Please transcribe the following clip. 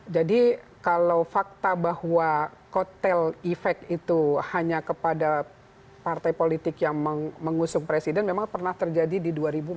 jadi kalau fakta bahwa kotel efek itu hanya kepada partai politik yang mengusung presiden memang pernah terjadi di dua ribu empat belas